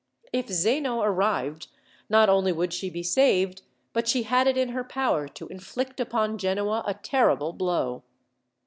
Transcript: If Zeno arrived, not only would she be saved, but she had it in her power to inflict upon Genoa a terrible blow.